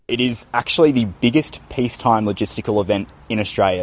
ini sebenarnya adalah acara logistik yang paling besar di australia